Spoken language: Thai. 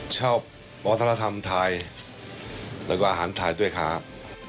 ชอบวัฒนธรรมไทยแล้วก็อาหารไทยด้วยครับ